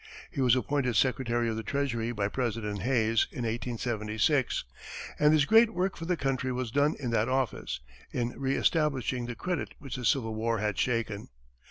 He was appointed secretary of the treasury by President Hayes, in 1876, and his great work for the country was done in that office, in re establishing the credit which the Civil War had shaken.